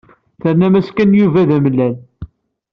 Ternam-as Ken i Yuba d amalal.